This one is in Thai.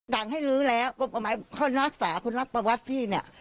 สั่งให้ลื้อแล้วกรมประมาณควรรักษาควรรักประวัติที่เนี่ย